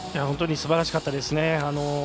本当にすばらしかったです。